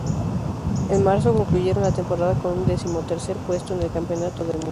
En marzo, concluyeron la temporada con un decimotercer puesto en el Campeonato del mundo.